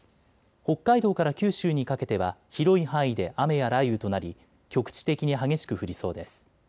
北海道から九州にかけては広い範囲で雨や雷雨となり局地的に激しく降りそうです。